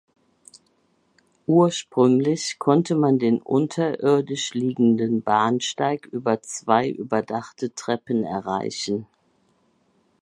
Ursprünglich konnte man den unterirdisch liegenden Bahnsteig über zwei überdachte Treppen erreichen.